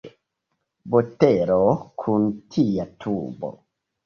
Botelo kun tia tubo.